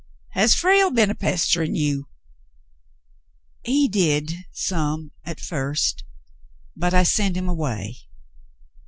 Has Frale been a pesterin' you ?" He did — some — at first ; but I sent him away."